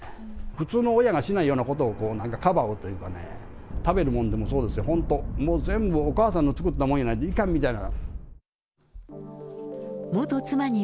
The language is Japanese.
普通の親がしないようなことを、なんかかばうというかね、食べるものでもそうですよ、本当、もう全部、お母さんの作ったもんやないといかんみたいな。